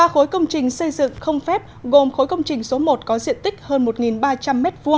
ba khối công trình xây dựng không phép gồm khối công trình số một có diện tích hơn một ba trăm linh m hai